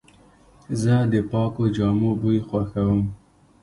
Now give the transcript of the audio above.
زه د پاکو جامو بوی خوښوم.